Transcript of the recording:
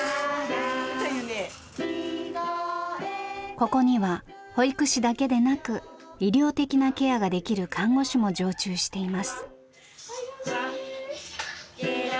ここには保育士だけでなく医療的なケアができる看護師も常駐しています。